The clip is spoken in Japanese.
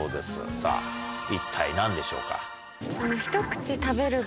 さぁ一体何でしょうか？